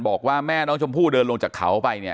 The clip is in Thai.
บอกว่าแม่น้องชมพู่เดินลงจากเขาไปเนี่ย